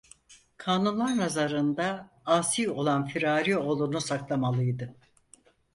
Kanunlar nazarında asi olan firari oğlunu saklamalıydı.